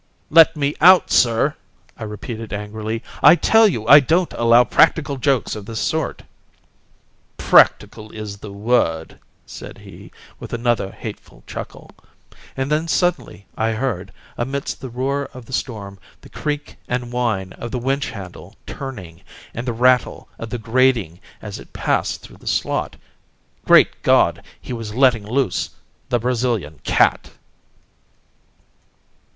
"Let me out, sir!" I repeated angrily. "I tell you I don't allow practical jokes of this sort." "Practical is the word," said he, with another hateful chuckle. And then suddenly I heard, amidst the roar of the storm, the creak and whine of the winch handle turning and the rattle of the grating as it passed through the slot. Great God, he was letting loose the Brazilian cat!